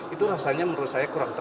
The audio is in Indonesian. itu rasanya menurut saya kurang tepat